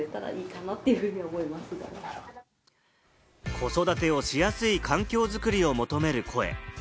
子育てをしやすい環境作りを求める声。